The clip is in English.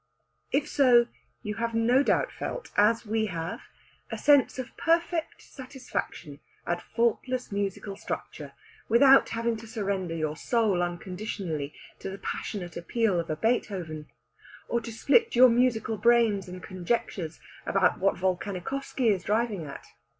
If so, you have no doubt felt, as we have, a sense of perfect satisfaction at faultless musical structure, without having to surrender your soul unconditionally to the passionate appeal of a Beethoven, or to split your musical brains in conjectures about what Volkanikoffsky is driving at.